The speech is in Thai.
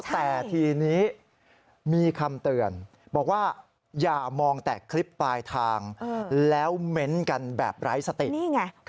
แต่ทีนี้มีคำเตือนบอกว่าอย่ามองแต่คลิปปลายทางแล้วเม้นต์กันแบบไร้สตินี่ไง